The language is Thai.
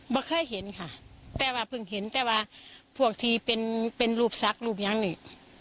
ไม่เคยเห็นค่ะแต่ว่าเพิ่งเห็นแต่ว่าพวกที่เป็นรูปศักดิ์รูปยังนี่